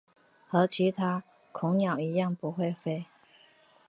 和其他恐鸟一样不会飞。